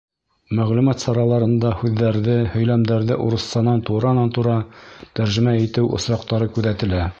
Мәғлүмәт сараларында һүҙҙәрҙе, һөйләмдәрҙе урыҫсанан туранан-тура тәржемә итеү осраҡтары күҙәтелә.